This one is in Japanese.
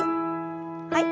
はい。